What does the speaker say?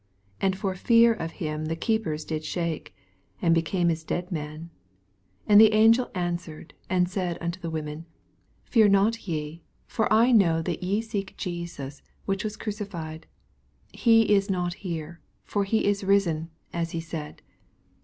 4 And for fear of him the keepers Jid shake, and became as dead fnenx 6 And the angel answered and said unto the women, Fear not ye : for I know that ye seek Jesus, which was crucified. 6 He is not here : for he is risen, as he said.